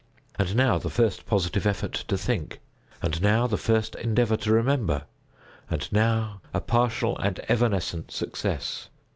And now the first positive effort to think. And now the first endeavor to remember. And now a partial and evanescent success.